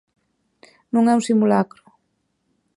Non é un simulacro.